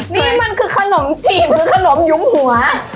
นี่มันคือขนมจีบคือขนมหยุมหัว